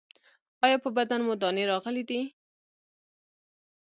ایا په بدن مو دانې راغلي دي؟